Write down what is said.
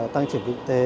tăng trưởng kinh tế